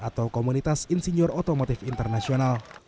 atau komunitas insinyur otomotif internasional